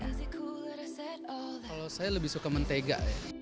kalau saya lebih suka mentega